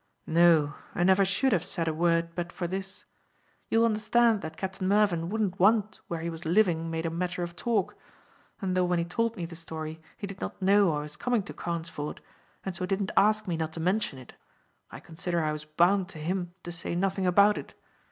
"No, and never should have said a word but for this. You will understand that Captain Mervyn wouldn't want where he was living made a matter of talk; and though when he told me the story he did not know I was coming to Carnesford, and so didn't ask me not to mention it, I consider I was bound to him to say nothing about it.